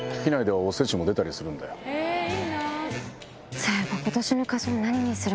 そういえば。